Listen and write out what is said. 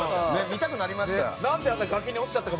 見たくなりました。